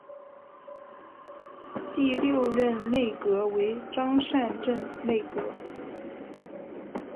第六任内阁为张善政内阁。